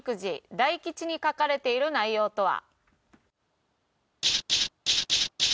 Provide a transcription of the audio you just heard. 大吉に書かれている内容とは？